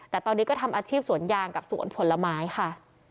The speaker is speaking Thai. แต่ตอนนี้ก็ทำอาชีพสวนยางกับสวนผลไม้ค่ะ